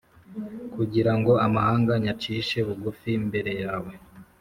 kugira ngo amahanga nyacishe bugufi imbere yawe,